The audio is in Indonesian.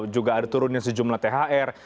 juga ada turunnya sejumlah thr